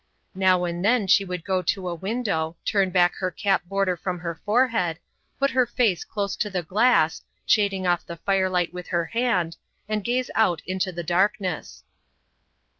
Now and then she would go to a window, turn back her cap border from her forehead, put her face close to the glass, shading off the firelight with her hand, and gaze out into the darkness.